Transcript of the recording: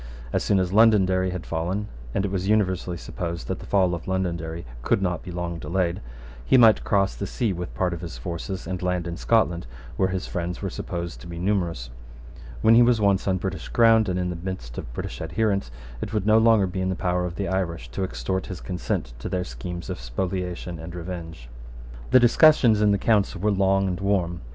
As soon as Londonderry had fallen, and it was universally supposed that the fall of Londonderry could not be long delayed, he might cross the sea with part of his forces, and land in Scotland, where his friends were supposed to be numerous. When he was once on British ground, and in the midst of British adherents, it would no longer be in the power of the Irish to extort his consent to their schemes of spoliation and revenge. The discussions in the Council were long and warm.